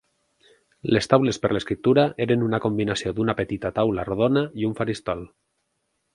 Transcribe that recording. Les taules per l’escriptura eren una combinació d’una petita taula rodona i un faristol.